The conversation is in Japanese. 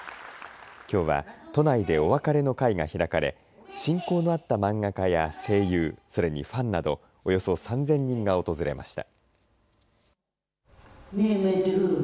きょうは都内でお別れの会が開かれ親交のあった漫画家や声優それにファンなどおよそ３０００人が訪れました。